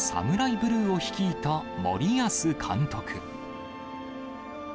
ブルーを率いた森保監督。